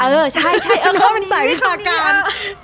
เออใช่เออเป็นสายวิชาการ